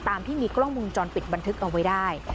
ตามที่มีกล้องมุมจรปิดบันทึกเอาไว้ได้